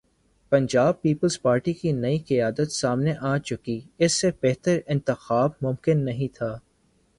Punjab Peoples Party کی نئی قیادت سامنے آ چکی اس سے بہتر انتخاب ممکن نہیں تھا۔